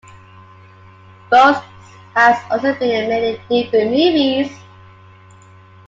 Rose has also been in many different movies.